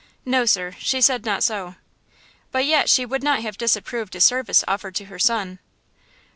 "No, sir, she said not so." "But yet she would not have disapproved a service offered to her son."